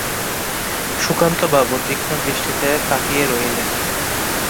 সুধাকান্তবাবু তীক্ষ্ণ দৃষ্টিতে তাকিয়ে রইলেন।